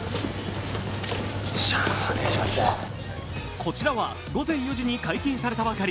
こちらは午前４時に解禁されたばかり。